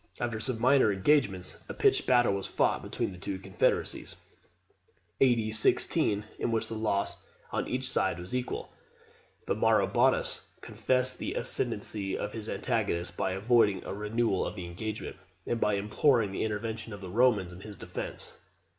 After some minor engagements, a pitched battle was fought between the two confederacies, A.D. 16, in which the loss on each side was equal; but Maroboduus confessed the ascendency of his antagonist by avoiding a renewal of the engagement, and by imploring the intervention of the Romans in his defence.